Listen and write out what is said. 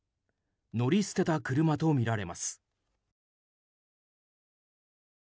乗り捨てた車とみられます。